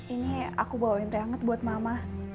ini aku bawain teh hangat buat mama